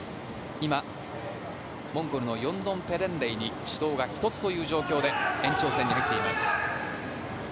今、モンゴルのヨンドンペレンレイに指導が１つという状況で延長戦に入っています。